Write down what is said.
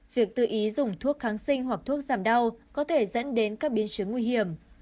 việc tự ý dùng thuốc kháng sinh hoặc thuốc giảm đau có thể dẫn đến các biến chứng nguy hiểm